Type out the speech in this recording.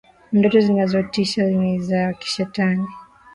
Ndoto zinazotisha ni za kishetani.